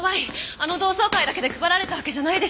あの同窓会だけで配られたわけじゃないでしょ？